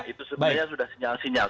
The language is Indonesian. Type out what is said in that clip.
itu sebenarnya sudah sinyal sinyal